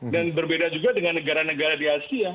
dan berbeda juga dengan negara negara di asia